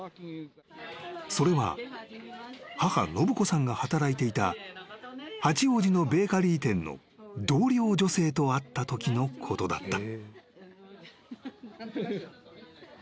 ［それは母信子さんが働いていた八王子のベーカリー店の同僚女性と会ったときのことだった］